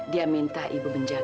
dia minta ibu menjaga